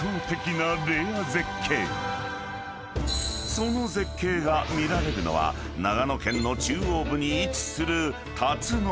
［その絶景が見られるのは長野県の中央部に位置する］